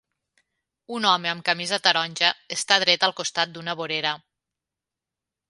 Un home amb camisa taronja està dret al costat d'una vorera.